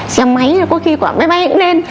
xe máy có khi quả máy bay cũng lên